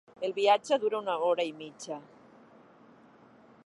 El viatge dura una hora i mitja.